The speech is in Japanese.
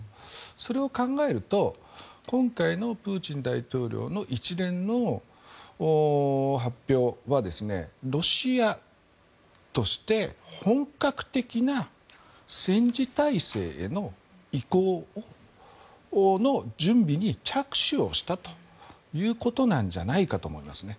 それを考えると今回のプーチン大統領の一連の発表はロシアとして本格的な戦時体制への移行の準備に着手をしたということなんじゃないかと思いますね。